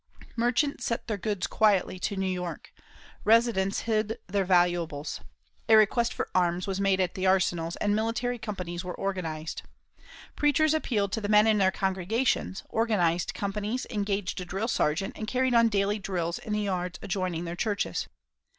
Merchants sent their goods quietly to New York. Residents hid their valuables. A request for arms was made at the arsenals, and military companies were organised. Preachers appealed to the men in their congregations, organised companies, engaged a drill sergeant, and carried on daily drills in the yards adjoining their churches.